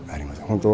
本当